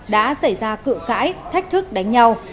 đã xảy ra cựu cãi thách thức đánh nhau